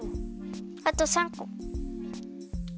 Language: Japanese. あと３こ。